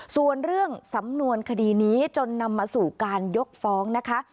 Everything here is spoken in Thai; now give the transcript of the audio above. ส่วนเรื่องสำนวนคดีนี้จนนำมาสู่การยกฟ้องนะคะ